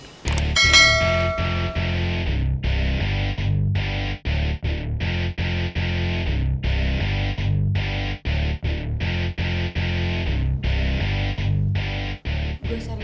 kal aku mau nge save